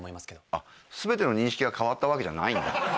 あっ全ての認識が変わったわけじゃないんだ。